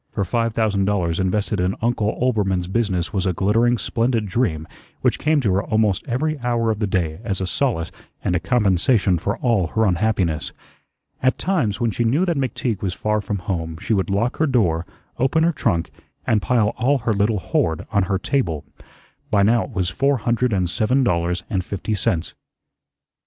Her five thousand dollars invested in Uncle Oelbermann's business was a glittering, splendid dream which came to her almost every hour of the day as a solace and a compensation for all her unhappiness. At times, when she knew that McTeague was far from home, she would lock her door, open her trunk, and pile all her little hoard on her table. By now it was four hundred and seven dollars and fifty cents.